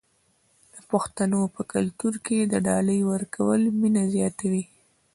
د پښتنو په کلتور کې د ډالۍ ورکول مینه زیاتوي.